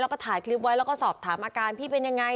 แล้วก็ถ่ายคลิปไว้แล้วก็สอบถามอาการพี่เป็นยังไง